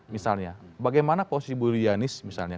misalnya bagaimana posisi yulianis misalnya